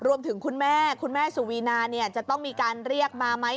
คุณแม่คุณแม่สุวีนาเนี่ยจะต้องมีการเรียกมาไหม